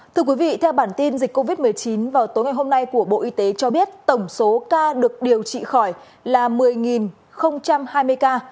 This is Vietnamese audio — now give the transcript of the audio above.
thưa quý vị theo bản tin dịch covid một mươi chín vào tối ngày hôm nay của bộ y tế cho biết tổng số ca được điều trị khỏi là một mươi hai mươi ca